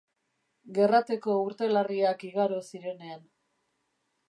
Gerrateko urte larriak igaro zirenean.